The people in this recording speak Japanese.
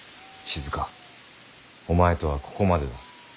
静お前とはここまでだ。